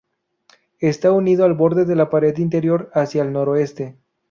Está unido al borde de la pared interior hacia el noroeste.